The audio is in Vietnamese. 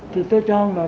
thực sự cho rằng là